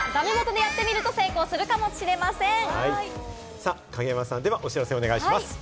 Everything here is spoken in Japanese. さぁ影山さん、ではお知らせお願いします。